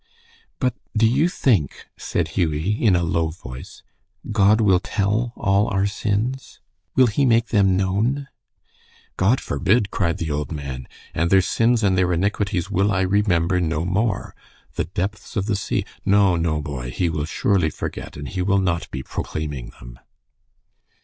"But, do you think," said Hughie, in a low voice, "God will tell all our sins? Will he make them known?" "God forbid!" cried the old man. "'And their sins and their iniquities will I remember no more.' 'The depths of the sea.' No, no, boy, he will surely forget, and he will not be proclaiming them."